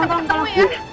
kenapa yang naik pergi